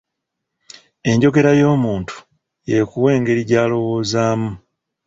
Enjogera y'omuntu y'ekuwa engeri gy'alowoozamu.